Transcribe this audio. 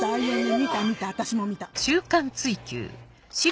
見た見た私も見た。